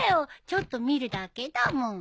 ちょっと見るだけだもん。